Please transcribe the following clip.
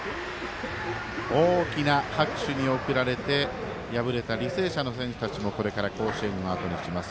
大きな拍手に送られて敗れた履正社の選手たちもこれから決勝戦をあとにします。